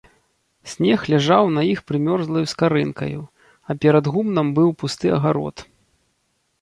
Снег ляжаў на іх прымёрзлаю скарынкаю, а перад гумном быў пусты агарод.